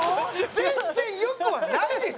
全然良くはないですよ！